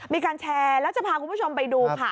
มีการแชร์แล้วจะพาคุณผู้ชมไปดูค่ะ